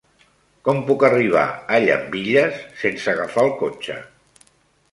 Com puc arribar a Llambilles sense agafar el cotxe?